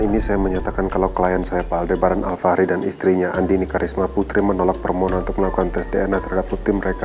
ini saya menyatakan kalau klien saya pak aldebaran alfari dan istrinya andi nikarisma putri menolak permohonan untuk melakukan tes dna terhadap rutin mereka